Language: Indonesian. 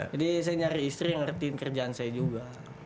jadi saya nyari istri yang ngertiin kerjaan saya juga